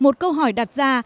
một câu hỏi đặt ra